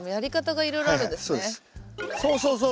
そうそうそう。